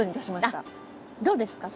どうですか？